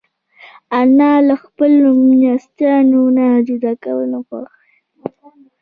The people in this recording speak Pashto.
انا له خپلو لمسیو نه جدا کېدل نه خوښوي